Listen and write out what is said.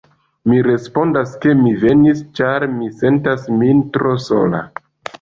Mi respondas, ke mi venis ĉar mi sentas min tro sola.